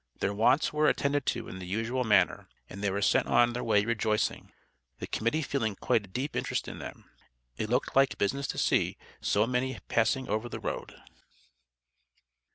Their wants were attended to in the usual manner, and they were sent on their way rejoicing, the Committee feeling quite a deep interest in them. It looked like business to see so many passing over the Road.